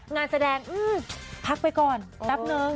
งานแสดงพักไปก่อนแป๊บนึง